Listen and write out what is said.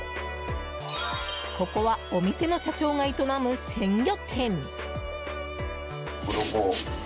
ここはお店の社長が営む鮮魚店。